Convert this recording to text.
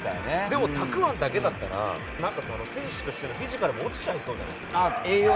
でも、たくあんだけだったら選手としてのフィジカルも落ちちゃいそうじゃないですか。